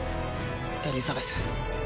エリザベス。